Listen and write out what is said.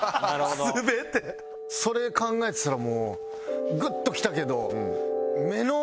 それ考えてたらもうグッときたけど。